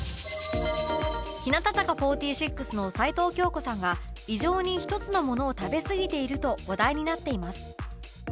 日向坂４６の齊藤京子さんが異常に一つのものを食べすぎていると話題になっています